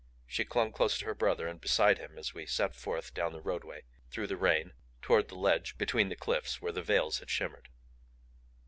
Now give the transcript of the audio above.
She clung close to her brother and beside him as we set forth down the roadway, through the rain, toward the ledge between the cliffs where the veils had shimmered.